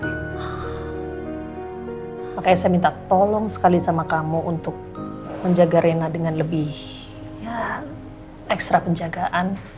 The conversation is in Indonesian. makanya saya minta tolong sekali sama kamu untuk menjaga rena dengan lebih ekstra penjagaan